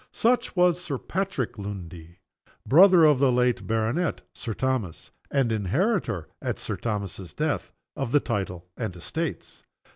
Such was Sir Patrick Lundie; brother of the late baronet, Sir Thomas; and inheritor, at Sir Thomas's death, of the title and estates.